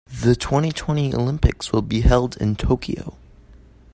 The twenty-twenty Olympics will be held in Tokyo.